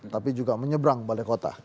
tapi juga menyeberang balai kota